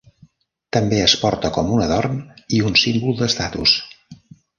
També es porta com un adorn i un símbol d'estatus.